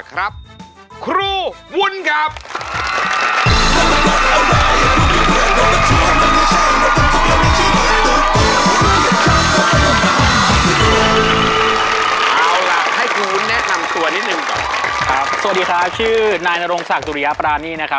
ครับสวัสดีค่ะชื่อนายนโรงศักดิ์จุริยาปรานี่นะครับ